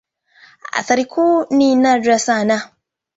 Athari kuu ni nadra sana.